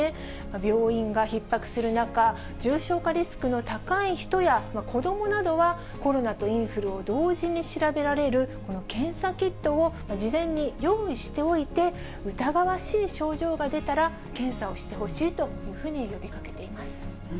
病院がひっ迫する中、重症化リスクの高い人や子どもなどは、コロナとインフルを同時に調べられる、この検査キットを事前に用意しておいて、疑わしい症状が出たら、検査をしてほしいというふうに呼びかけています。